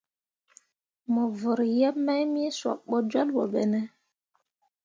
Mo vǝrri yeb mai me sob bo jolbo be ne ?